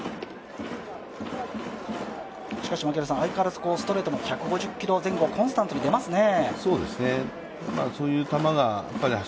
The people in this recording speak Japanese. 相変わらずストレートも１５０キロ前後、コンスタントに出ますね。